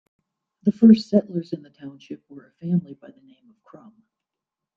The first settlers in the township were a family by the name of Krum.